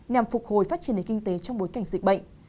nhằm phục hồi phát triển nền kinh tế trong bối cảnh dịch bệnh